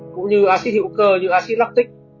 cũng như acid hữu cơ như acid lactic